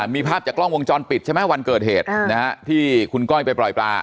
มีภาพจากกล้องวงจรปิดใช่ไหมวันเกิดเหตุที่คุณก้อยไปปล่อยปลา